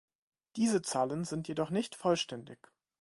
Diese Zahlen sind jedoch nicht vollständig.